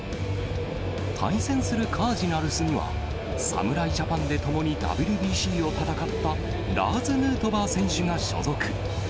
対戦するカージナルスには、侍ジャパンで共にＷＢＣを戦った、ラーズ・ヌートバー選手が所属。